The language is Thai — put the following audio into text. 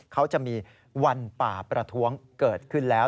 เขาจะมีวันป่าประท้วงเกิดขึ้นแล้ว